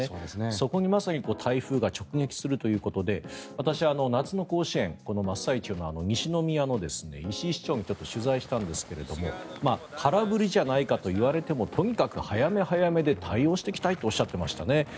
そこにまさに台風が直撃するということで私、夏の甲子園真っ最中の西宮の石井市長に取材したんですが空振りじゃないかと言われてもとにかく早め早めで対応していきたいとおっしゃっていました。